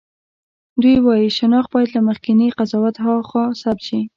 دوی وايي شناخت باید له مخکېني قضاوت هاخوا ثبت شي.